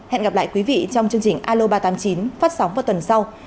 hẹn gặp lại quý vị trong chương trình alo ba trăm tám mươi chín phát sóng vào tuần sau